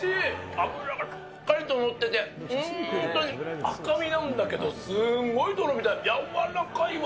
脂がしっかりと乗ってて、本当に赤身なんだけど、すごいとろみがやわらかいわ。